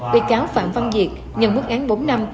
bị cáo phạm văn diệt nhận bức án bốn năm